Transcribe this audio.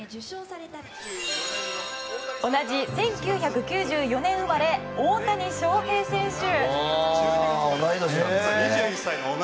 同じ１９９４年生まれ大谷翔平選手。